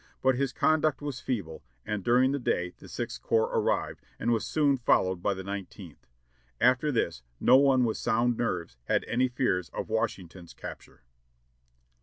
But his conduct was feeble, and during the day the Sixth Corps arrived, and was soon followed by the Nineteenth. After this no one with sound nerves had any fears of Washington's capture."